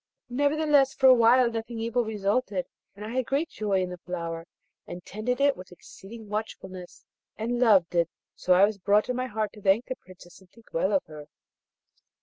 Nevertheless for awhile nothing evil resulted, and I had great joy in the flower, and tended it with exceeding watchfulness, and loved it, so that I was brought in my heart to thank the Princess and think well of her.